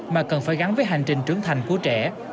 mà cần phải gắn với hành trình trưởng thành của trẻ